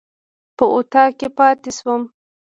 په اطاق کې پاتې شوم.